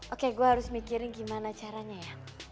oke gue harus mikirin gimana caranya ya